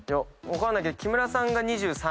分かんないけど木村さんが２３２４。